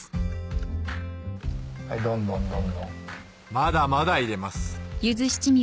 まだまだ入れます